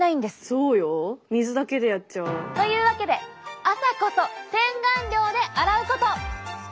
そうよ水だけでやっちゃう。というわけで「朝こそ洗顔料であらうこと！」。